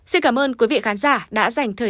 xin cảm ơn quý vị khán giả đã dành thời gian theo dõi